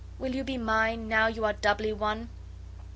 Will you be mine, now you are doubly won?"